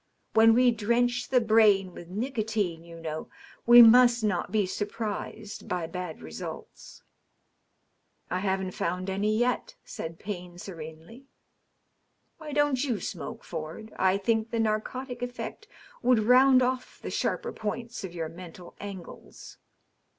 When we drench the brain with nicotine, you know, we must not be surprised by bad results." " I haven't found any yet,'' said Payne serenely. " Why don't you smoke, Ford ? I think the narcotic effect would round off the sharper points of your mental angles."